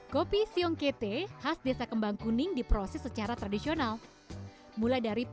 kopi siongkut kementerian pariwisata dan ekonomi kreatif